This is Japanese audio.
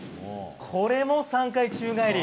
これも３回宙返り。